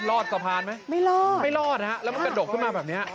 รอดสะพานไหมไม่รอดไม่รอดฮะแล้วมันกระดกขึ้นมาแบบนี้